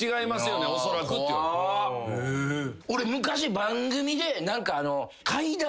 俺昔番組で怪談？